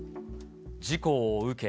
事故を受け。